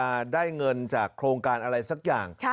จะได้เงินจากโครงการอะไรสักอย่าง